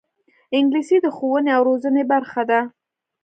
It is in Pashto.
انګلیسي د ښوونې او روزنې برخه ده